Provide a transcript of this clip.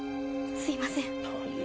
すいません。